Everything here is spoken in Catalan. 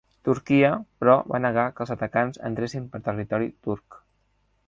Turquia, però, va negar que els atacants entressin per territori turc.